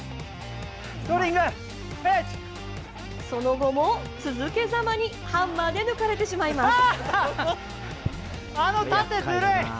その後も続けざまにハンマーで抜かれてしまいます。